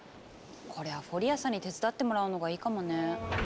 これはフォリアさんに手伝ってもらうのがいいかもね。